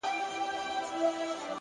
ساده خبرې ژور مفهوم لري،